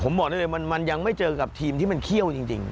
มันยังไม่เจอกับทีมที่มันเขี้ยวจริง